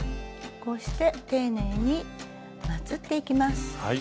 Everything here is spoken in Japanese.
こうして丁寧にまつっていきます。